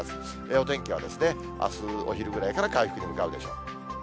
お天気はあすお昼ぐらいから回復に向かうでしょう。